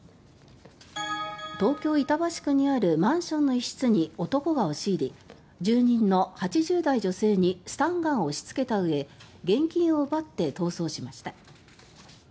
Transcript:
東京・板橋区にあるマンションの一室に男が押し入り住人の８０代女性にスタンガンを押しつけたうえ現金を奪って逃走しました。